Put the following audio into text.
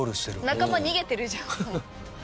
仲間逃げてるじゃん。